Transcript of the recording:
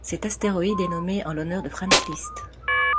Cet astéroïde est nommé en l'honneur de Franz Liszt.